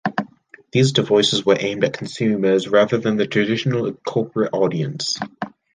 These devices were aimed at consumers, rather than the traditional corporate audience.